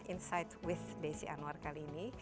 insight with desi anwar kali ini